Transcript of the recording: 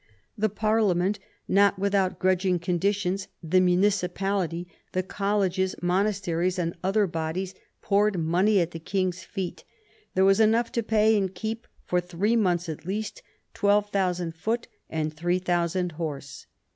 The Parliament — not without grudging conditions — the muni cipality, the colleges, monasteries, and other bodies, poured money at the King's feet : there was enough to pay and keep, for three months at least, twelve thousand foot and three thousand horse.